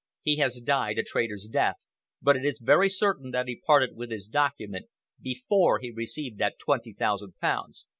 He has died a traitor's death, but it is very certain that he parted with his document before he received that twenty thousand pounds."